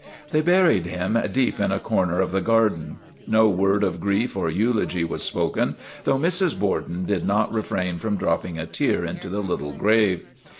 They buried him deep in a corner of the garden. No word of grief or eulogy was spoken, though Mrs. Borden did not refrain from dropping a tear into the little grave.